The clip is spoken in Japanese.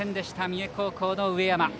三重高校の上山。